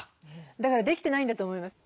だからできてないんだと思います。